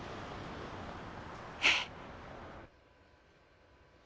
えっ？